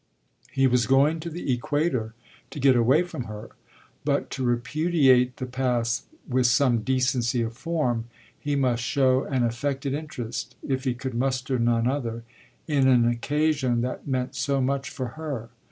He was going to the equator to get away from her, but to repudiate the past with some decency of form he must show an affected interest, if he could muster none other, in an occasion that meant so much for her.